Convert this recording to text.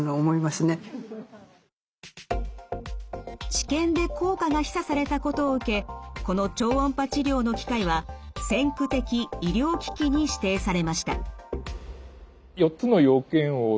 治験で効果が示唆されたことを受けこの超音波治療の機械は先駆的医療機器に指定されました。